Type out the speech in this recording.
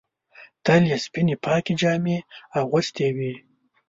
تل یې سپینې پاکې جامې اغوستې وې.